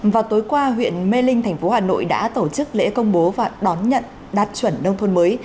vào tối qua huyện mê linh thành phố hà nội đã tổ chức lễ công bố và đón nhận đạt chuẩn nông thôn mới